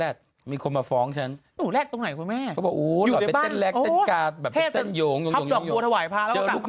าที่มากินเยอะยืนยันเลยยืนยัน